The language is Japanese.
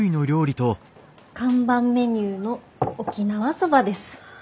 看板メニューの沖縄そばです。